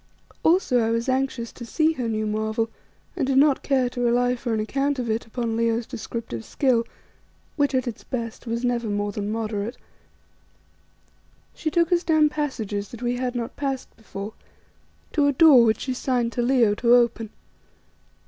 Also I was anxious to see her new marvel, and did not care to rely for an account of it upon Leo's descriptive skill, which at its best was never more than moderate. She took us down passages that we had not passed before, to a door which she signed to Leo to open.